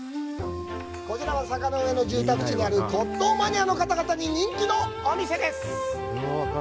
こちらは坂の上の住宅地にある骨とうマニアの方々に人気のお店です。